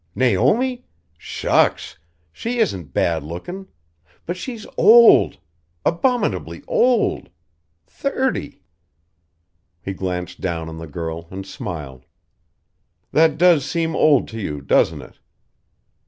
"Naomi? Shucks! She isn't bad looking but she's old. Abominably old! Thirty!" He glanced down on the girl and smiled. "That does seem old to you, doesn't it?"